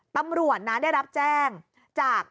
ตำรวจนะได้รับแจ้งจาก